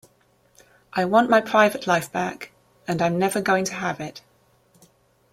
I want my private life back and I'm never going to have it.